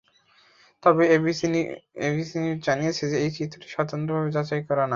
তবে ABC News জানিয়েছে যে, এই চিত্রটি স্বতন্ত্রভাবে যাচাই করা না।